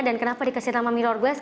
dan kenapa dikasih nama mirror glaze